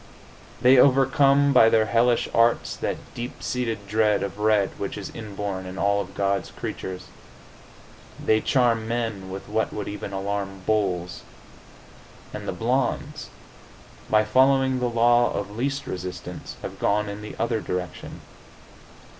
They overcome by their hellish arts that deep seated dread of red which is inborn in all of God's creatures. They charm men with what would even alarm bulls. And the blondes, by following the law of least resistance, have gone in the other direction.